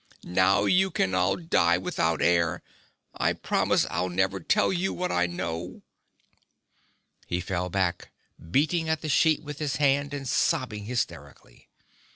Now you can all die without air. I promise I'll never tell you what I know!" He fell back, beating at the sheet with his hand and sobbing hysterically.